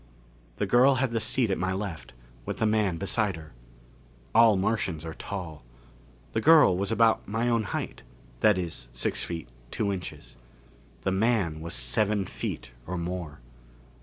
The girl had the seat at my left, with the man beside her. All Martians are tall. The girl was about my own height. That is, six feet, two inches. The man was seven feet or more.